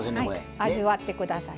味わってください。